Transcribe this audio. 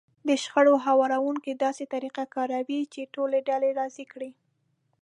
د شخړو هواروونکی داسې طريقه کاروي چې ټولې ډلې راضي کړي.